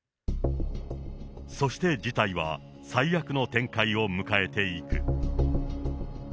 そして事態は最悪の展開を迎えていく。